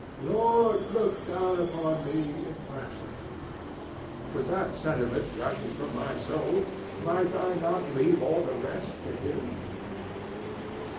—"Lord, look down upon me in mercy!" With that sentiment gushing from my soul, might I not leave all the rest to him?